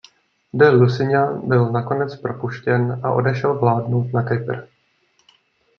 De Lusignan byl nakonec propuštěn a odešel vládnout na Kypr.